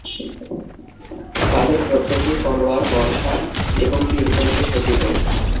তাদের প্রত্যেকেই তলোয়ার, বর্শা এবং তীর-ধনুকে সজ্জিত।